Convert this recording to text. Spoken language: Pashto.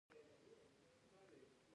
د متن ژبپوهنه، د ژبپوهني یوه څانګه ده.